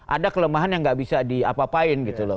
ada kelemahan yang gak bisa diapapain gitu loh